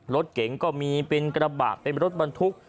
รถเก๋งก็มีเป็นกระบะเป็นรถบรรทุก